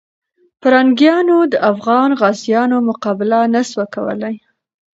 پرنګیانو د افغان غازیانو مقابله نه سوه کولای.